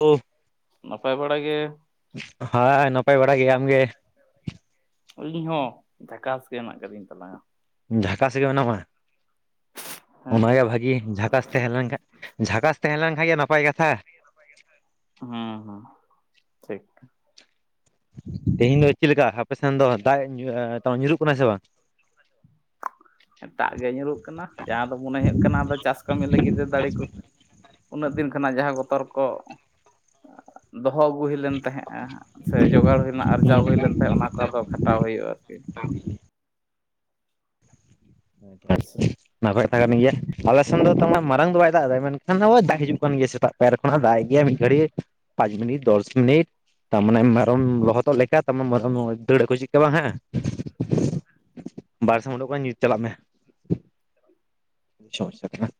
ᱚ ᱱᱟᱯᱟᱭ ᱵᱟᱲᱟ ᱜᱮ ᱦᱮᱸ ᱱᱟᱯᱟᱭ ᱵᱟᱲᱟ ᱜᱮᱭᱟ ᱟᱢᱜᱮ᱾ ᱟᱞᱤᱧ ᱦᱚᱸ ᱫᱷᱟᱠᱟᱥ ᱜᱮ ᱦᱮᱱᱟᱜ ᱟᱠᱟᱫᱤᱧ ᱛᱟᱞᱟᱝᱟ ᱡᱷᱟᱠᱟᱥ ᱜᱮ ᱢᱮᱱᱟᱢᱟ᱾ ᱦᱮᱸ ᱚᱱᱟᱜᱮ ᱵᱷᱟᱜᱤ ᱡᱷᱟᱠᱟᱥ ᱛᱟᱦᱮᱸ ᱞᱮᱱ ᱠᱷᱟᱱᱡ ᱡᱷᱟᱠᱟᱥ ᱛᱟᱦᱮᱸ ᱞᱮᱱ ᱠᱷᱷᱟᱡ ᱜᱮ ᱱᱟᱯᱟᱭ ᱠᱟᱛᱷᱟ᱾ ᱦᱩᱸ ᱦᱩᱸ ᱴᱷᱤᱠ [inaudible] ᱛᱮᱦᱮᱧ ᱫᱚ ᱪᱮᱫ ᱞᱮᱠᱟ ᱟᱯᱮ ᱥᱮᱱ ᱫᱚ ᱫᱟᱜ ᱧᱩᱨᱩᱜ ᱠᱟᱱᱟ ᱥᱮ ᱵᱟᱝ? ᱮᱴᱟᱜ ᱜᱮ ᱧᱩᱨᱩᱜ ᱠᱟᱱᱟ ᱡᱟᱦᱟᱸ ᱫᱚ ᱢᱚᱱᱮ ᱦᱩᱭᱩᱜ ᱠᱟᱱᱟ ᱟ ᱪᱟᱥ ᱠᱟᱹᱢᱤ ᱞᱟᱹᱜᱤᱫ ᱫᱟᱲᱮ ᱠᱚ ᱩᱱᱟᱹᱜ ᱫᱤᱱ ᱠᱷᱚᱱᱟᱜ ᱡᱟᱦᱟᱸ ᱵᱚᱛᱚᱨ ᱠᱚ ᱫᱚᱦᱚ ᱟᱹᱜᱩ ᱦᱩᱭ ᱞᱮᱱ ᱛᱟᱦᱮᱸᱜᱼᱟ ᱥᱮ ᱡᱚᱜᱟᱲ ᱦᱩᱭᱱᱟ ᱟᱨᱡᱟᱣ ᱦᱩᱭ ᱞᱮᱱ ᱛᱟᱦᱮᱸᱫ ᱚᱱᱟ ᱠᱚ ᱟᱫᱚ ᱠᱷᱟᱴᱟᱣ ᱦᱩᱭᱩᱜᱼᱟ ᱟᱨᱠᱤ [inaudible] ᱦᱳᱭᱥᱮ [unintelligible] ᱚᱱᱟ ᱠᱚᱛᱷᱟ ᱠᱟᱱ ᱜᱮᱭᱟ ᱟᱞᱮ ᱥᱮᱱ ᱫᱚ ᱛᱢ ᱢᱟᱨᱟᱝ ᱫᱚ ᱵᱟᱭ ᱫᱟᱜ ᱮᱫᱟᱟ ᱢᱮᱱ ᱦ ᱫᱟᱜ ᱦᱩᱸ ᱦᱤᱡᱩᱜ ᱠᱟᱱ ᱜᱮᱭᱟ ᱥᱮᱟᱜ ᱯᱟᱨ ᱠᱷᱚᱱᱟᱜ ᱫᱟᱜᱟᱭ ᱜᱮᱭᱟ ᱢᱤᱫ ᱜᱷᱟᱹᱲᱤᱡ ᱯᱟᱸᱪ ᱢᱤᱱᱤᱴ ᱫᱚᱥ ᱢᱤᱱᱤᱴ ᱛᱟᱨᱢᱟᱱᱮ ᱢᱮᱨᱚᱢ ᱞᱚᱦᱚᱫᱚᱜ ᱞᱮᱠᱟ ᱛᱟᱨ ᱢᱮᱨᱚᱢ ᱫᱟᱹᱲ ᱠᱚ ᱪᱮᱫ ᱵᱟᱝ ᱦᱟᱸᱜ? ᱵᱟᱨ ᱥᱮᱫ ᱩᱰᱠ ᱧᱩᱛ ᱪᱟᱞᱟᱜ ᱢᱮ ᱥᱚᱢᱚᱥᱟ ᱠᱟᱱᱟ [inaudible]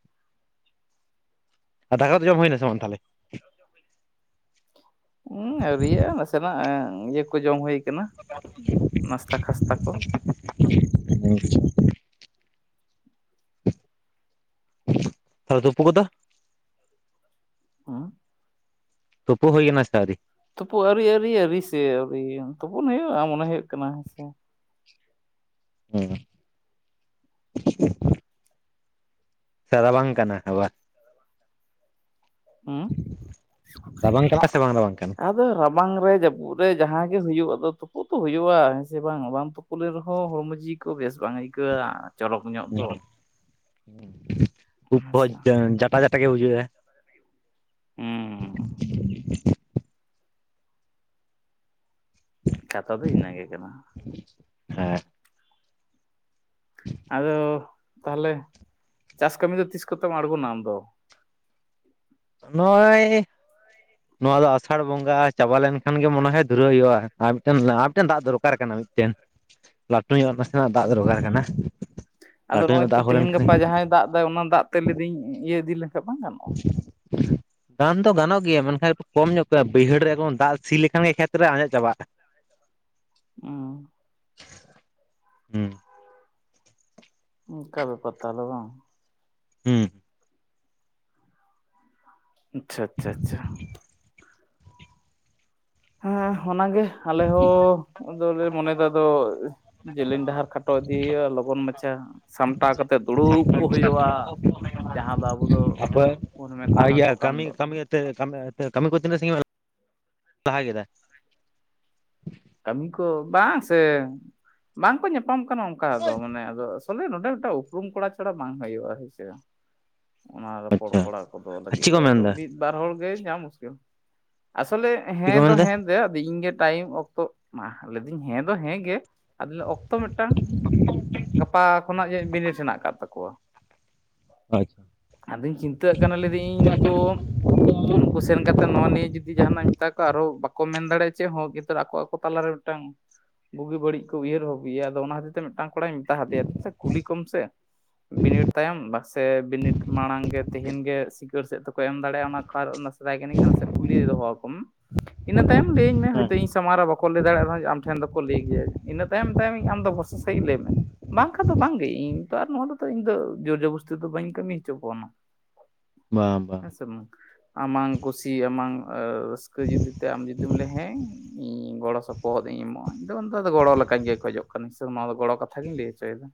ᱟᱨ ᱫᱟᱠᱟ ᱫᱚ ᱡᱚᱢ ᱦᱩᱭᱱᱟ ᱥᱮᱮ ᱵᱟᱝ ᱛᱟᱦᱞᱮ? ᱦᱸ ᱟᱹᱣᱨᱤᱭᱼᱟ ᱱᱟᱥᱮᱱᱟᱜ ᱤᱭᱟᱹ ᱠᱚ ᱡᱚᱢ ᱦᱩᱭᱩ ᱠᱟᱱᱟ ᱱᱟᱥᱛᱟ ᱠᱷᱥᱛᱟ ᱠᱚ [inaudible] ᱛᱩᱯᱩ ᱠᱚᱫᱚ ᱦᱮᱸ ᱛᱩᱯᱩ ᱦᱚᱭ ᱮᱱᱟ ᱥᱮ ᱟᱣᱨᱤ? ᱛᱩᱯᱩᱜ ᱟᱹᱨᱤ ᱟᱹᱨᱤ ᱟᱹᱨᱤ ᱥᱮ ᱟᱹᱣᱨᱤ ᱛᱩᱯᱩᱱ ᱦᱩᱭᱩᱜᱼᱟ ᱢᱚᱱᱮ ᱦᱩᱭᱩᱜ ᱠᱟᱱᱟ ᱦᱮᱸ ᱥᱮ ᱦᱩᱸ [unintelligible] ᱵᱟᱝ ᱠᱟᱱᱟ [unintelligible] ᱦᱩᱸ, ᱨᱟᱵᱟᱝ ᱠᱟᱱᱟ ᱥᱮ ᱵᱟᱝ ᱨᱟᱵᱟᱝ ᱠᱟᱱᱟ? ᱟᱫᱚ ᱨᱟᱵᱟᱝ ᱨᱮ ᱡᱟᱹᱯᱩᱫ ᱨᱮ ᱡᱟᱦᱟᱸᱜ ᱜᱮ ᱦᱩᱭᱩᱜᱼᱟ ᱟᱫᱚ ᱛᱩᱯᱩᱜ ᱛ ᱦᱩᱭᱩᱜᱼᱟ ᱦᱮᱸ ᱥᱮ ᱵᱟᱝ ᱵᱟᱝ ᱛᱩᱯᱩᱜ ᱩᱞ ᱨᱮᱦᱚᱸ ᱦᱚᱲᱢᱚ ᱡᱤᱣᱤ ᱠᱚ ᱵᱮᱥ ᱵᱟᱝ ᱟᱹᱭᱠᱟᱹᱜᱼᱟ ᱪᱚᱨᱚᱠ ᱧᱚᱜ ᱫᱚ ᱩᱯ ᱦᱮᱸᱥᱮ ᱡᱟᱴᱟ ᱡᱟᱴᱟ ᱜᱮ ᱵᱩᱡᱩᱜᱼᱟ ᱦᱩᱸ [inaudible] ᱠᱟᱛᱷᱟ ᱫᱚ ᱤᱱᱟ. ᱜᱮ ᱠᱟᱱᱟ ᱦᱮ ᱟᱫᱚ ᱛᱟᱦᱚᱞᱮ ᱪᱟᱥ ᱠᱟᱹᱢᱤ ᱫᱚ ᱛᱤᱥ ᱠᱚᱛᱮᱢ ᱟᱬᱜᱚᱱᱟ ᱟᱢ ᱫᱚ ᱱᱚᱜ-ᱚᱭ ᱱᱚᱶᱟ ᱫᱚ ᱟᱥᱟᱲ ᱵᱚᱸᱜᱟ ᱪᱟᱵᱟ ᱞᱮᱱ ᱠᱷᱟᱱ ᱜᱮ ᱢᱚᱱᱮ ᱦᱚᱭ ᱫᱷᱩᱨᱟᱹᱣ ᱦᱩᱭᱩᱜᱼᱟ ᱟᱨ ᱢᱤᱫ ᱢᱤᱫ ᱴᱮᱱ ᱫᱟᱜ ᱫᱚᱨᱠᱟᱨ ᱠᱟᱱᱟ ᱢᱤᱫᱴᱮᱱ ᱞᱟᱹᱴᱩ ᱧᱚᱜ ᱱᱟᱥᱮᱱᱟᱜ ᱫᱟᱜ ᱦᱩᱸ ᱫᱚᱨᱠᱟᱨ ᱠᱟᱱᱟ ᱟᱫᱚ ᱞᱟᱹᱴᱩ ᱱᱚᱜᱼᱚᱭ ᱧᱚᱜ ᱫᱟᱜ ᱛᱚ ᱦᱩᱭ ᱞᱮᱱ ᱛᱮᱦᱮᱧ ᱠᱷᱟᱱ ᱜᱟᱯᱟ ᱡᱟᱦᱟᱸᱭ ᱫᱟᱜ ᱫᱟᱭ, ᱚᱱᱟ ᱫᱟᱜ ᱛᱚ ᱞᱟᱹᱭᱫᱤᱧ ᱤᱭᱟᱹ ᱤᱫᱤ ᱞᱮᱠᱷᱟᱱ ᱵᱟᱝ ᱜᱟᱱᱚᱜ᱾ ᱜᱟᱱ ᱫᱚ ᱜᱟᱱᱚᱜ ᱜᱮᱭᱟ ᱾ ᱢᱮᱱᱠᱷᱟᱱ ᱠᱚᱢ ᱧᱚᱜ ᱵᱟᱹᱭᱦᱟᱹᱲ ᱨᱮ ᱫᱟᱜ ᱥᱤ ᱞᱮᱠᱷᱟᱱ ᱜᱮ ᱠᱷᱮᱛ ᱨᱮ ᱟᱸᱡᱮᱫ ᱪᱟᱵᱟᱜᱼᱟ᱾ ᱚᱸᱻ ᱦᱩᱸ ᱚᱝᱠᱟ ᱵᱮᱯᱟᱨ ᱛᱟᱦᱞᱮ ᱵᱟᱝ᱾ ᱦᱩᱸ ᱟᱪᱪᱷᱟ, ᱟᱪᱪᱷᱟ, ᱟᱪᱪᱷᱟ᱾ ᱦᱮᱸ, ᱚᱱᱟᱜᱮ ᱟᱞᱮ ᱦᱚᱸ ᱟᱫᱚᱞᱮ ᱢᱚᱱᱮᱭᱫᱟ ᱟᱫᱚ᱾ ᱡᱮᱞᱮᱧ ᱰᱟᱦᱟᱨ ᱠᱷᱟᱴᱚ ᱤᱫᱤ ᱦᱩᱭᱩᱜᱼᱟ ᱞᱚᱜᱚᱱ ᱢᱟᱪᱷᱟ᱾ ᱥᱟᱢᱴᱟᱣ ᱠᱟᱛᱮᱫ ᱫᱩᱲᱩᱵ ᱠᱚᱜ ᱦᱤᱭᱩᱜᱼᱟ᱾ ᱡᱟᱦᱟᱸ ᱫᱚ ᱟᱵᱚ ᱫᱚ [unintelligible] ᱢᱮᱛᱟ ᱠᱚ ᱠᱟᱱ ᱫᱚ ᱢᱤᱫ ᱠᱟᱹᱢᱤ ᱟᱛᱮᱫ, ᱠᱟᱹᱢᱤ ᱛᱤᱱᱟᱹᱜ ᱥᱟᱜᱤᱧ ᱮᱢ ᱞᱟᱦᱟ ᱠᱮᱫᱟ ᱠᱟᱹᱢᱤ ᱠᱚ ᱵᱟᱝ ᱥᱮ, ᱵᱟᱝ ᱠᱚ ᱧᱟᱯᱟᱢ ᱠᱟᱱᱟ ᱚᱝᱠᱟ ᱫᱚ᱾ ᱢᱟᱱᱮ ᱟᱫᱚ ᱛᱚᱵᱮ ᱱᱚᱸᱰᱮ ᱢᱤᱫᱴᱟᱜ ᱩᱯᱨᱩᱢ ᱠᱚᱲᱟ ᱪᱷᱟᱲᱟ ᱵᱟᱝ ᱦᱩᱭᱩᱜᱼᱟ, ᱦᱳᱭ‌ ᱥᱮ᱾ ᱚᱱᱟ ᱨᱚᱯᱚᱲ ᱟᱪᱪᱷᱟ ᱠᱚᱲᱟ ᱠᱚᱫᱚ ᱞᱟᱹᱜᱤᱫ ᱪᱮᱫ ᱫᱚ ᱠᱚ ᱟᱫᱚ ᱢᱮᱱᱫᱟ ᱢᱤᱫ ᱵᱟᱨ ᱦᱚᱲ ᱜᱮ ᱧᱟᱢ ᱢᱩᱥᱠᱤᱞ ᱟᱥᱚᱞᱮ ᱪᱮᱫ ᱠᱚ ᱦᱮᱸ ᱫᱚ ᱢᱮᱱᱫᱟ ᱦᱮᱸ ᱜᱮ ᱟᱫᱚ ᱤᱧ ᱜᱮ ᱴᱟᱭᱤᱢ ᱚᱠᱛᱚ ᱛᱚ ᱢᱟ ᱞᱟᱹᱭ ᱫᱟᱹᱧ ᱦᱮᱸ ᱫᱚ ᱦᱮᱸ ᱜᱮ᱾ ᱟᱫᱚ ᱚᱠᱛᱚ ᱢᱮᱫᱴᱟᱝ ᱜᱟᱯᱟ ᱠᱷᱚᱱᱟᱜ ᱡᱟᱱᱤᱡ ᱵᱤᱱᱤᱰ ᱦᱮᱱᱟᱜ ᱠᱟᱫ ᱛᱟᱠᱚᱣᱟ᱾ ᱟᱪᱪᱷᱟ ᱟᱫᱚᱧ ᱪᱤᱱᱛᱟᱹᱣᱟᱜ ᱠᱟᱱᱟ ᱞᱟᱹᱭ ᱫᱤᱧ ᱱᱤᱛᱳᱜ᱾ ᱱᱩᱠᱩ ᱥᱮᱱ ᱠᱟᱛᱮ ᱱᱚᱣᱟ ᱱᱤᱭᱟᱹ ᱡᱩᱫᱤ ᱡᱟᱦᱟᱱᱟᱜ ᱤᱧ ᱢᱮᱛᱟ ᱠᱚᱣᱟ᱾ ᱟᱨᱦᱚᱸ ᱵᱟᱠᱚ ᱢᱮᱱ ᱫᱟᱲᱮᱭᱟᱜᱼᱟ ᱪᱮᱫ ᱦᱚᱸ ᱠᱤᱱᱛᱩ ᱟᱠᱚ ᱟᱠᱚ ᱛᱟᱞᱟᱨᱮ ᱢᱮᱫᱴᱟᱝ ᱵᱩᱜᱤ ᱵᱟᱹᱲᱤᱡ ᱠᱚ ᱩᱭᱦᱟᱹᱨ ᱵᱟᱵᱽ ᱜᱮᱭᱟ᱾ ᱟᱫᱚ ᱚᱱᱟ ᱦᱚᱛᱮᱛᱮ ᱢᱮᱫᱴᱟᱝ ᱠᱚᱲᱟᱧ ᱢᱮᱛᱟ ᱫᱮᱭᱟ ᱫᱩᱥᱮ ᱥᱮ ᱠᱩᱞᱤ ᱠᱚᱢ ᱥᱮ᱾ ᱵᱤᱱᱤᱰ ᱛᱟᱭᱚᱢ ᱵᱟᱥᱮ ᱵᱤᱱᱤᱰ ᱢᱟᱲᱟᱝ ᱜᱮ ᱛᱮᱦᱮᱧ ᱜᱮ ᱥᱤᱜᱟᱹᱬ ᱥᱮᱫ ᱛᱮᱠᱚ ᱮᱢ ᱫᱟᱲᱮᱭᱟᱜᱼᱟ᱾ ᱚᱱᱟ ᱠᱟᱨ ᱚᱱᱟ ᱢᱮᱛᱟᱭ ᱠᱟᱹᱱᱟᱹᱧ ᱥᱮ ᱠᱩᱞᱤ ᱫᱚᱦᱚ ᱟᱠᱚᱢ ᱾ ᱤᱱᱟᱹ ᱛᱟᱭᱚᱢ ᱞᱟᱹᱭ ᱟᱹᱧ ᱢᱮ ᱤᱧ ᱥᱟᱢᱟᱝ ᱨᱮ ᱵᱟᱠᱚ ᱞᱟᱹᱭ ᱫᱟᱲᱮᱭᱟᱜ ᱵᱷᱟᱜᱮ ᱟᱢ ᱴᱷᱮᱱ ᱫᱚᱠᱚ ᱞᱟᱹᱭ ᱜᱮᱭᱟ ᱤᱱᱟᱹ ᱛᱟᱭᱚᱢ ᱟᱢ ᱫᱚ ᱵᱷᱚᱨᱥᱟ ᱥᱟᱺᱦᱤᱡ ᱞᱟᱹᱭ ᱢᱮ᱾ ᱵᱟᱝ ᱠᱷᱟᱱ ᱫᱚ ᱵᱟᱝᱜᱮ, ᱤᱧ ᱛᱚ ᱟᱨ ᱱᱚᱣᱟ ᱛᱚ ᱤᱧ ᱫᱚ ᱡᱳᱨᱡᱚᱵᱚᱥᱛᱤ ᱫᱚ ᱵᱟᱹᱧ ᱠᱟᱹᱢᱤ ᱦᱚᱪᱚ ᱠᱚᱣᱟ ᱱᱟᱝ᱾ ᱵᱟᱝ ᱵᱟᱝ ᱟᱢᱟᱝ ᱠᱩᱥᱤ, ᱟᱢᱟᱝ [unintelligible] ᱛᱮ ᱟᱢ ᱡᱩᱫᱤᱢ ᱞᱟᱹᱭ-ᱟ ᱦᱮᱸ᱾ ᱦᱩᱸ ᱜᱚᱲᱚ ᱥᱚᱯᱚᱦᱚᱫ ᱤᱧ ᱮᱢᱚᱜᱼᱟ᱾ ᱤᱧᱫᱚ ᱚᱱᱟ ᱫᱚ ᱜᱚᱲᱚ ᱞᱮᱠᱟ ᱜᱮ ᱠᱷᱚᱡᱚᱜ ᱠᱟᱱᱟ ᱥᱮ ᱱᱚᱣᱟ ᱫᱚ ᱜᱚᱲᱚ ᱠᱟᱛᱷᱟ ᱜᱤᱧ ᱞᱟᱹᱭ ᱦᱚᱪᱚᱭᱮᱫᱟ᱾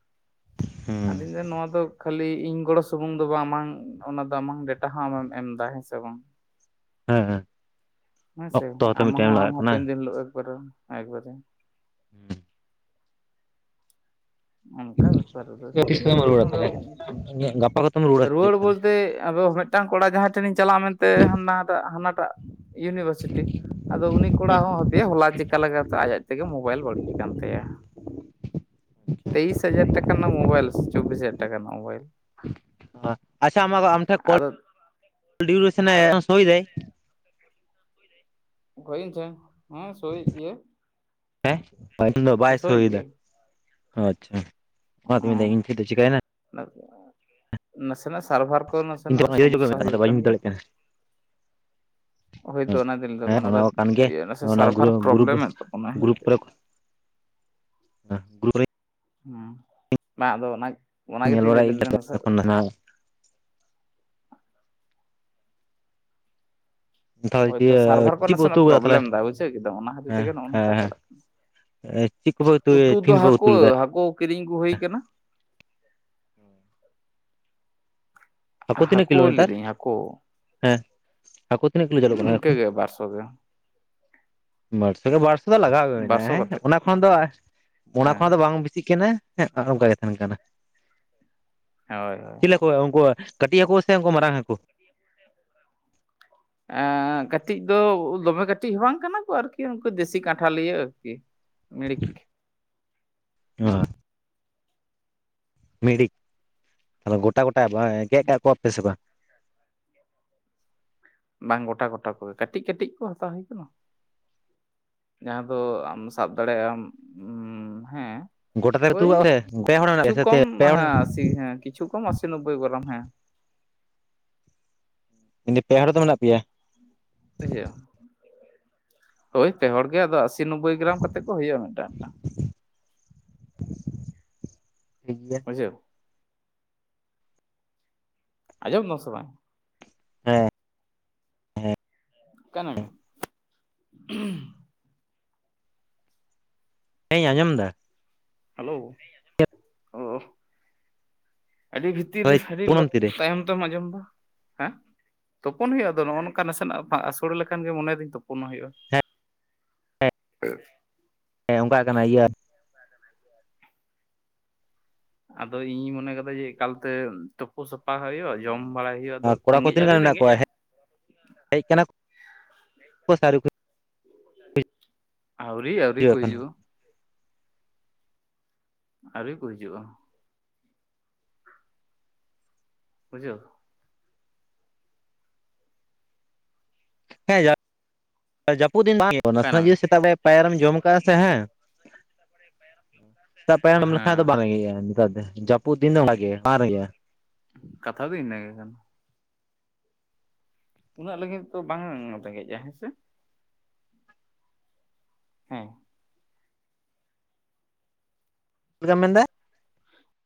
ᱦᱩᱸ ᱟᱫᱚᱧ ᱞᱟᱹᱭᱫᱟ ᱱᱚᱣᱟ ᱫᱚ ᱠᱷᱟᱹᱞᱤ ᱤᱧ ᱜᱚᱲᱚ ᱥᱩᱢᱩᱝ ᱫᱚ ᱵᱟᱝ᱾ ᱟᱢᱟᱝ ᱚᱱᱟ ᱟᱢᱟᱝ ᱰᱮᱴᱟ ᱦᱚᱸ ᱟᱢᱮᱢ ᱮᱢ ᱮᱫᱟ ᱦᱮᱸᱥᱮ ᱵᱟᱝ᱾ ᱦᱮᱸ ᱦᱮᱸ ᱦᱮᱸ ᱥᱮ, ᱚᱠᱛᱚ ᱦᱚᱸᱛᱚ ᱟᱢ ᱢᱤᱫ ᱴᱟᱭᱤᱢ ᱦᱚᱸ ᱟᱢ ᱞᱟᱜᱟᱜ ᱦᱚᱸ ᱠᱟᱱᱟ ᱦᱟᱯᱮᱱ ᱫᱤᱱ ᱦᱤᱞᱳᱜ [unintelligible] ᱮᱠᱵᱟᱨᱮ [inaudible] ᱚᱱᱠᱟ ᱵᱮᱯᱟᱨ ᱨᱮᱫᱚ ᱛᱤᱥ ᱫᱤᱠᱦᱤ ᱠᱚᱛᱮᱢ ᱟᱫᱚ ᱨᱩᱣᱟᱹᱲᱟ ᱚᱱᱟ ᱫᱚ ᱛᱟᱦᱚᱞᱮ ᱜᱟᱯᱟ ᱠᱚᱛᱮᱢ ᱨᱩᱣᱟᱹᱲᱟ ᱥᱮ ᱪᱮᱫ ᱨᱩᱣᱟᱹᱲ ᱛᱟᱦᱚᱞᱮ ᱵᱚᱞᱛᱮ ᱟᱫᱚ ᱢᱮᱫ ᱾ ᱢᱤᱫᱴᱟᱝ ᱠᱚᱲᱟ ᱡᱟᱦᱟᱭ ᱴᱦᱮᱱᱤᱧ ᱪᱟᱞᱟᱜᱼᱟ ᱢᱮᱱᱛᱮ ᱦᱟᱱᱟᱴᱟᱜ ᱦᱟᱱᱟᱴᱟᱜ ᱤᱭᱩᱱᱤᱵᱦᱟᱨᱥᱤᱴᱤ ᱾ ᱟᱫᱚ ᱩᱱᱤ ᱠᱚᱲᱟ ᱦᱚ ᱦᱟᱯᱮ ᱦᱚᱞᱟ ᱪᱮᱠᱟ ᱞᱮᱠᱟᱛᱮ ᱟᱭ ᱛᱮᱜᱮ ᱢᱳᱵᱟᱭᱤᱞ ᱵᱟᱹᱲᱤᱡ ᱟᱠᱟᱱ ᱛᱟᱭᱟ ᱾ ᱛᱮᱭᱤᱥ ᱦᱟᱡᱟᱨ ᱴᱟᱠᱟ ᱨᱮᱱᱟᱝ ᱢᱳᱵᱟᱭᱤᱞ ᱥᱮ ᱪᱚᱵᱽᱵᱤᱥ ᱦᱟᱡᱟᱨ ᱴᱟᱠᱟ ᱨᱮᱱᱟᱜ ᱢᱳᱵᱟᱭᱤᱞ᱾ ᱟᱪᱪᱷᱟ ᱟᱢ ᱴᱷᱮᱱ [unintelligible] ᱠᱚᱞ ᱟᱫᱚ ᱰᱤᱭᱩᱜᱨᱥᱚᱱ ᱮ ᱥᱳᱭ ᱫᱟ᱾ ᱦᱳᱭ ᱤᱧ ᱴᱷᱮᱱ ᱦᱮᱸ ᱥᱳᱭᱮᱫ ᱜᱮᱭᱟᱭ᱾ ᱦᱮᱸ, ᱴᱟᱭᱤᱢ ᱫᱚ ᱵᱟᱭ ᱥᱳᱭᱮᱫ ᱥᱳᱭ ᱫᱟ, ᱜᱮᱭᱟᱭ ᱟᱪᱪᱷᱟ᱾ ᱚᱱᱟ ᱛᱤᱧ ᱢᱮᱱ ᱮᱫᱟ ᱤᱧ ᱴᱷᱮᱱ ᱫᱚ ᱪᱤᱠᱟᱹᱭ ᱮᱱᱟ᱾ ᱱᱟᱥᱮ ᱱᱟᱥᱮᱱᱟᱜ ᱥᱟᱨᱵᱷᱟᱨ ᱠᱚ ᱤᱧ ᱱᱟᱥᱮᱱᱟᱜ ᱥᱚᱢᱚᱥᱥᱟ ᱚᱱᱟᱛᱮ ᱦᱩᱭᱩᱜ ᱵᱟᱹᱧ ᱠᱟᱱ ᱵᱩᱡᱽ ᱜᱮᱭᱟ᱾ ᱦᱮᱸ, ᱦᱳᱭᱛᱳ ᱚᱱᱟ ᱫᱚᱧ ᱞᱟᱹᱭ ᱦᱮᱸ ᱚᱱᱟ ᱫᱚ ᱠᱟᱱ ᱜᱮᱭᱟ, ᱤᱭᱟᱹ ᱱᱟᱥᱮ ᱚᱱᱟ ᱥᱟᱨᱵᱷᱟᱨ ᱜᱨᱩᱯ ᱨᱮ ᱯᱨᱚᱵᱞᱮᱢᱮᱫ ᱛᱟᱵᱚᱱᱟ ᱜᱨᱩᱯ ᱦᱮᱸᱥᱮ ᱠᱚᱨᱮ ᱦᱮᱸ ᱜᱨᱩᱯ ᱨᱮ ᱦᱩᱸ, ᱵᱟᱝ ᱟᱫᱚ ᱚᱱᱟ ᱨᱮᱧ ᱧᱮᱞ ᱚᱱᱟᱜᱛᱩᱧ ᱵᱟᱲᱟᱭᱮᱫ ᱞᱟᱹᱭᱫᱟ, ᱜᱮᱭᱟ ᱱᱟᱥᱮ ᱮᱠᱷᱚᱱ ᱛᱟᱦᱚᱞᱮ ᱦᱳᱭ ᱛᱚ ᱥᱟᱨᱵᱦᱟᱨ ᱠᱚ ᱪᱮᱫ ᱯᱮ ᱩᱛᱩ ᱱᱟᱥᱮᱱᱟᱜ ᱠᱟᱫᱟ ᱛᱟᱦᱚᱞᱮ ᱯᱨᱚᱵᱞᱮᱢ ᱫᱟ ᱵᱩᱡᱷᱟᱹᱣ ᱠᱮᱫᱟᱢ ᱚᱱᱟ ᱠᱦᱟᱹᱛᱤᱨ ᱦᱮᱸ ᱛᱮᱜᱮ ᱱᱚᱜᱼᱚᱭ ᱦᱮᱸ ᱱᱚᱝᱠᱟ ᱪᱟᱞᱟᱜ ᱠᱟᱱᱟ᱾ ᱦᱮᱸ ᱪᱮᱫ ᱠᱚᱯᱮ ᱩᱛᱩ ᱫᱚ ᱛᱤᱦᱤᱧ ᱯᱮ ᱩᱛᱩ ᱦᱟᱹᱠᱣᱟ. ᱞᱮᱫᱟ ᱦᱟᱹᱠᱩ ᱠᱤᱨᱤᱧ ᱟᱜᱩ ᱦᱩᱭ ᱠᱟᱱᱟ ᱾ ᱦᱟᱠᱩ ᱛᱤᱱᱟᱹᱜ ᱦᱟᱹᱠᱩ ᱠᱤᱞᱳ ᱱᱮᱛᱟᱨ ᱞᱤᱫᱟᱹᱧ ᱦᱟᱹᱠᱩ ᱦᱮ ᱦᱟᱠᱩ ᱛᱤᱱᱟᱹᱜ ᱠᱤᱞᱳ ᱪᱟᱞᱩᱜ ᱦᱩᱸ ᱠᱟᱱᱟ ᱮᱠᱷᱚᱱ ᱤᱱᱠᱟᱹᱜᱮ ᱵᱟᱨᱥᱚ ᱜᱮ ᱵᱟᱨ ᱥᱚ ᱵᱟᱨᱥᱚ ᱫᱚ ᱞᱟᱜᱟᱣ ᱦᱩᱭᱱᱟ ᱵᱟᱨᱥᱚ ᱦᱮ ᱠᱟᱛᱮᱫ ᱚᱱᱟ ᱠᱷᱚᱱ ᱫᱚ ᱚᱱᱟ ᱦᱮᱸ ᱠᱷᱚᱱ ᱫᱚ ᱵᱟᱝ ᱵᱮᱥᱤᱜ ᱠᱟᱱᱟ᱾ ᱦᱮᱜ ᱚᱱᱠᱟ ᱜᱮ ᱛᱟᱦᱮᱱ ᱠᱟᱱᱟ ᱾ ᱦᱟᱜ ᱦᱳᱭ ᱦᱳᱭ ᱩᱱᱠᱩ ᱠᱟᱹᱴᱤᱡ ᱦᱟᱠᱩ ᱥᱮ ᱩᱱᱠᱩ ᱢᱟᱨᱟᱝ ᱦᱟᱠᱩ᱾ ᱟᱸᱠᱟᱹᱴᱤᱡ ᱫᱚ ᱫᱚᱢᱮ ᱠᱟᱹᱴᱤᱡ ᱦᱚ ᱵᱟᱝ ᱠᱟᱱᱟ ᱠᱚ ᱟᱨᱠᱤ ᱩᱱᱠᱩ ᱫᱮᱥᱤ ᱠᱟᱴᱦᱟ ᱞᱤᱭᱟᱹ ᱟᱨᱠᱤ ᱢᱤᱲᱤᱠ ᱾ ᱚ ᱢᱤᱲᱦᱤᱠ ᱟᱫᱚ ᱜᱚᱴᱟ ᱜᱚᱴᱟ ᱵᱟᱝ ᱜᱮᱫ ᱠᱟᱜ ᱠᱚᱣᱟᱯᱮ ᱥᱮ ᱵᱟᱝ ᱵᱟᱝ ᱜᱚᱴᱟ ᱜᱚᱴᱟ ᱠᱚᱜᱮ ᱠᱟᱹᱴᱤᱡᱭ ᱠᱟᱹᱴᱤᱡᱭ ᱠᱚ ᱦᱟᱛᱟᱣ ᱦᱩᱭ ᱟᱠᱟᱱᱟ ᱾ ᱡᱟᱦᱟ ᱫᱚ ᱟᱢ ᱥᱟᱵ ᱫᱟᱲᱮᱭᱟᱜ ᱟᱢ ᱩᱢ ᱦᱮᱸ ᱜᱚᱴᱟ ᱛᱮ ᱩᱛᱩ ᱳᱭ ᱠᱟᱜ ᱯᱮ ᱯᱮ ᱦᱚᱲ ᱢᱮᱱᱟᱜ ᱠᱤᱪᱦᱩ ᱯᱮᱭᱟ ᱥᱮ ᱠᱚᱢ ᱛᱮ ᱯᱮ ᱦᱚᱲ ᱦᱟ ᱟᱥᱤ ᱦᱮᱸ ᱠᱤᱪᱩ ᱠᱚᱢ ᱟᱥᱤ ᱱᱚᱵᱚᱭ ᱜᱨᱟᱢ ᱦᱮᱸ ᱾ ᱛᱤᱦᱤᱧ ᱯᱮ ᱦᱚᱲ ᱫᱚ ᱢᱮᱱᱟᱜ ᱯᱮᱭᱟ ᱾ ᱦᱳᱭ ᱯᱮᱦᱚᱲ ᱜᱮ ᱟᱫᱚ ᱟᱥᱤ ᱱᱚᱵᱵᱳᱭ ᱜᱮᱨᱟᱢ ᱠᱟᱛᱮᱫ ᱠᱚ ᱦᱩᱭᱩᱜᱼᱟ ᱢᱤᱫᱴᱟᱝ ᱢᱤᱫᱴᱟᱝ ᱾ ᱴᱷᱤᱠ ᱜᱮᱭᱟ ᱵᱩᱡᱷᱟᱹᱣ ᱟᱡᱚᱢ ᱫᱟᱢ ᱥᱮ ᱵᱟᱝ? ᱦᱮᱸ ᱦᱮᱸ᱾ ᱠᱟᱱᱟᱢ ᱩᱦᱩᱢ ᱾ ᱦᱮᱸᱧ ᱟᱡᱚᱢ ᱫᱟ ᱦᱟᱞᱳ ᱩᱢ ᱟᱹᱰᱤ ᱵᱦᱤᱛ ᱛᱤᱨ ᱨᱮ ᱦᱳᱭ ᱟᱹᱰᱤ ᱛᱩᱱᱟᱹᱢ ᱛᱤᱨᱮ ᱛᱟᱭᱚᱢ ᱛᱮᱢ ᱟᱡᱚᱢ ᱫᱟ ᱦᱮᱸ ᱛᱚᱯᱚᱱ ᱦᱩᱭᱩᱜᱼᱟ ᱟᱫᱚ ᱱᱚᱜᱼᱚ ᱱᱚᱝᱠᱟ ᱱᱟᱥᱮᱱᱟᱜ ᱯᱷᱟ ᱟᱹᱥᱩᱲ ᱞᱮᱠᱷᱟᱱ ᱜᱮ ᱢᱚᱱᱮᱭ ᱫᱤᱧ ᱛᱚᱯᱩᱱᱚᱜ ᱦᱩᱭᱩᱜᱼᱟ ᱾ ᱦᱮᱸ [inaudible] ᱦᱮᱸ ᱚᱱᱠᱟᱜ ᱠᱟᱱᱟ ᱤᱭᱟᱹ ᱟᱨᱠᱤ ᱾ ᱟᱫᱚ ᱤᱧᱼᱤᱧ ᱢᱚᱱᱮ ᱠᱟᱫᱟ ᱡᱮ ᱮᱠᱟᱞᱛᱮ ᱛᱮ ᱠᱩ ᱥᱟᱯᱷᱟ ᱦᱳᱭᱳᱜ ᱡᱚᱢ ᱵᱟᱲᱟᱭ ᱦᱳᱭᱳᱜ ᱟᱫᱚ ᱟᱨ ᱨᱮᱸᱜᱮᱭ ᱟᱹᱣᱨᱤ ᱨᱮᱸᱜᱮᱭᱼᱟ᱾ ᱦᱮᱭ ᱠᱟᱱᱟ ᱠᱩ ᱥᱮ ᱟᱹᱣᱨᱤ ᱠᱚ ᱟᱹᱣᱨᱤ ᱟᱹᱣᱨᱤ ᱦᱤᱡᱩᱜᱼᱟ ᱠᱩ ᱮᱠᱷᱚᱱ ᱦᱚᱸ ᱡᱩᱜᱩᱜ-ᱟ ᱟᱹᱣᱨᱤ ᱠᱩ ᱦᱤᱡᱩᱜᱼᱟ ᱾ ᱵᱩᱡᱷᱟᱹᱣ ᱦᱮ ᱡᱟᱹᱯᱩᱫᱤᱱ ᱵᱟᱝ ᱜᱮ ᱱᱟᱥᱮᱱᱟᱜ ᱚᱠᱟᱭᱱᱟᱢ ᱭᱟ? ᱡᱚᱫᱤ ᱥᱮᱛᱟᱜ ᱵᱮᱲᱟ ᱯᱟᱭᱟᱨᱮᱢ ᱡᱚᱢ ᱠᱟᱜ ᱥᱮ ᱦᱟᱝ ᱾ ᱥᱮᱛᱟᱜ ᱯᱟᱭᱟᱢ ᱞᱮᱠᱷᱟᱱ ᱫᱚ ᱵᱟᱝ ᱦᱮᱸ ᱨᱮᱸᱜᱮᱭᱼᱟ ᱱᱮᱛᱟᱨ ᱫᱚ ᱡᱟᱹᱯᱩᱫ ᱫᱤᱱ ᱫᱚ ᱚᱱᱠᱟᱜᱮ ᱵᱟᱝ ᱨᱮᱜᱮᱼᱟ ᱠᱟᱛᱦᱟ ᱫᱚ ᱤᱱᱟᱹ ᱜᱮ ᱠᱟᱱᱟ ᱩᱱᱟᱹᱜ ᱞᱟᱹᱜᱤᱫ ᱫᱚ ᱵᱟᱝ ᱨᱮᱸᱜᱮᱭᱼᱟ ᱦᱮ ᱥᱮ ᱦᱮᱸ [unintelligible]